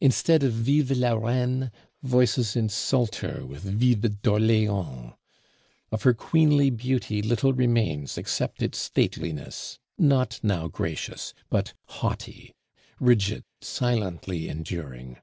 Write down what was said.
Instead of Vive la reine, voices insult her with Vive d'Orléans. Of her queenly beauty little remains except its stateliness; not now gracious, but haughty, rigid, silently enduring.